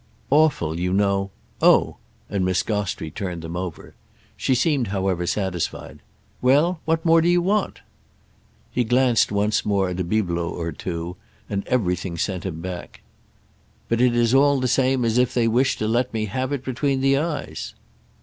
"'Awful, you know'—? Oh!"—and Miss Gostrey turned them over. She seemed, however, satisfied. "Well, what more do you want?" He glanced once more at a bibelot or two, and everything sent him back. "But it is all the same as if they wished to let me have it between the eyes."